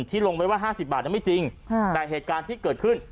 ลงไว้ว่า๕๐บาทนั้นไม่จริงแต่เหตุการณ์ที่เกิดขึ้น